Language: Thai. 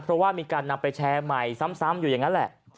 เพราะว่ามีการนำไปแชร์ใหม่ซ้ำอยู่อย่างนั้นแหละ